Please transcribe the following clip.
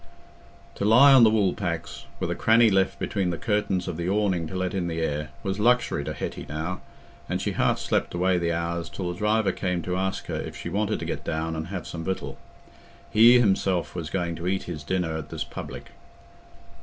To lie on the wool packs, with a cranny left between the curtains of the awning to let in the air, was luxury to Hetty now, and she half slept away the hours till the driver came to ask her if she wanted to get down and have "some victual"; he himself was going to eat his dinner at this "public."